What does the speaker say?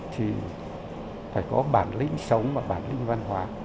thì phải có bản lĩnh sống và bản lĩnh văn hóa